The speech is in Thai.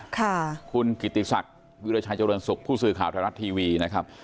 ค่ะคุณกิติศักดิ์วิราชัยเจริญสุขผู้สื่อข่าวไทยรัฐทีวีนะครับ